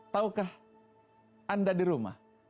tahukah anda di rumah